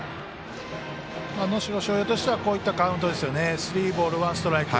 能代松陽としてはこういったカウントスリーボールワンストライク。